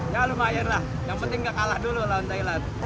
ya lumayan lah yang penting gak kalah dulu lawan thailand